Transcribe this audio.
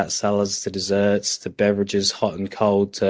mereka diberi selera deser beberapa makanan panas dan sejuk